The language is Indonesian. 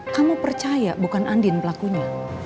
kamu percaya bukan andin pelakunya